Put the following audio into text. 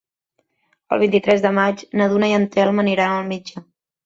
El vint-i-tres de maig na Duna i en Telm aniran al metge.